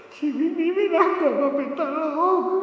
ชีวิตนี้ไม่น่าเกิดมาเป็นตลก